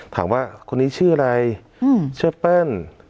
ถามว่าคนนี้ชื่ออะไรชื่อเปิ้ล